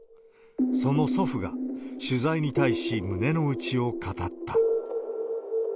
その祖父が、取材に対し胸の内を語った。